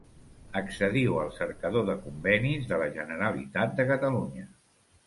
Accediu al cercador de convenis de la Generalitat de Catalunya.